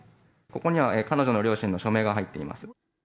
ここには彼女の両親の署名が入っています。